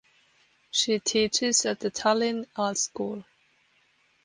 She teaches at the Tallinn Art School.